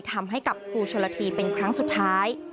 ทำให้กับครูชนละทีเป็นครั้งสุดท้าย